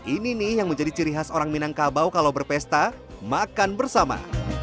ini nih yang menjadi ciri khas orang minangkabau kalau berpesta makan bersama